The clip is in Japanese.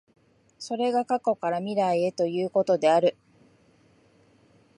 それが過去から未来へということである。